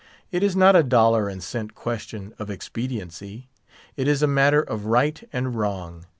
It is not a dollar and cent question of expediency; it is a matter of right and wrong.